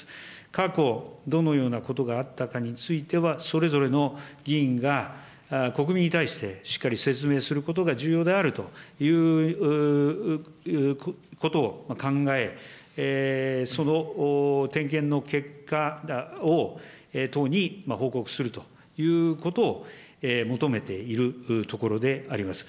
過去、どのようなことがあったかについては、それぞれの議員が国民に対してしっかり説明することは重要であるということを考え、その点検の結果を党に報告するということを求めているところであります。